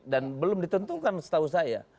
dan belum ditentukan setahu saya